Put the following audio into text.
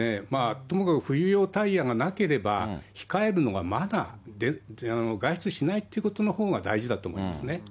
ともかく冬用タイヤがなければ、控えるのがまだ、外出しないということのほうが大事だと思うんですね。